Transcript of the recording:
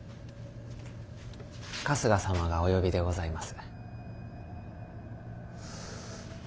春日様がお呼びでございます。